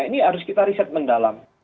ini harus kita riset mendalam